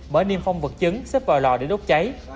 bởi niêm phong vật chứng xếp vào lò để đốt cháy